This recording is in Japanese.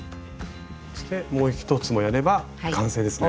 そしてもう１つもやれば完成ですね。